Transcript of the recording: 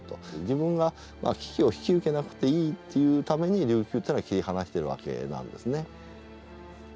自分が危機を引き受けなくていいっていうために琉球っていうのは切り離してるわけなんですね。